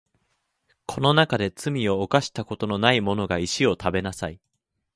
この中で罪を犯したことのないものが石を食べなさい